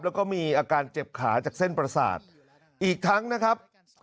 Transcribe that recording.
แล้วก็มีอาการเจ็บขาจากเส้นประสาทอีกทั้งนะครับ